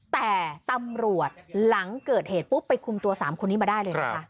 แต่ตำรวจหลังเกิดเหตุปุ๊บไปคุมตัว๓คนนี้มาได้เลยนะคะ